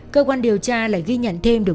cơ quan điều tra lại ghi nhận thêm được